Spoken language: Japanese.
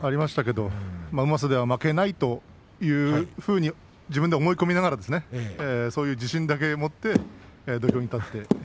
でも、うまさでは負けないと自分で思い込みながらそういう自信だけ持って土俵に上がりました。